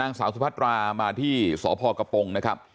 นางสาวสุพัตรามาที่สพกระปงนะครับ